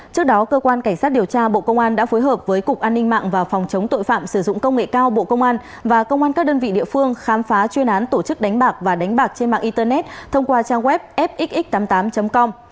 trước đó cơ quan cảnh sát điều tra bộ công an đã phối hợp với cục an ninh mạng và phòng chống tội phạm sử dụng công nghệ cao bộ công an và công an các đơn vị địa phương khám phá chuyên án tổ chức đánh bạc và đánh bạc trên mạng internet thông qua trang web fxx tám mươi tám com